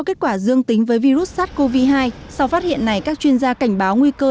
kết quả dương tính với virus sars cov hai sau phát hiện này các chuyên gia cảnh báo nguy cơ